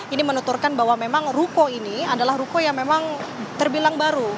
ini menuturkan bahwa memang ruko ini adalah ruko yang memang terbilang baru